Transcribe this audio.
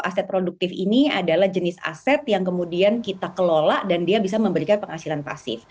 aset produktif ini adalah jenis aset yang kemudian kita kelola dan dia bisa memberikan penghasilan pasif